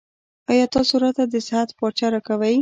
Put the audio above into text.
ایا تاسو راته د صحت پارچه راکوئ؟